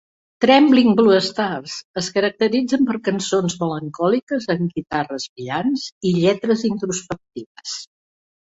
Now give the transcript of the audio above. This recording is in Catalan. Trembling Blue Stars es caracteritzen per cançons melancòliques amb guitarres brillants i lletres introspectives.